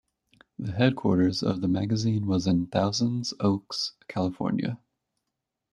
The headquarters of the magazine was in Thousands Oaks, California.